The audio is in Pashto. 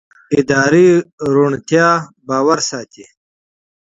اداري شفافیت باور ساتي